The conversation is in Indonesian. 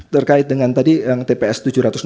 terkait dengan tadi yang tps tujuh ratus dua puluh